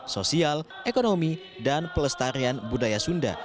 sosial ekonomi dan pelestarian budaya sunda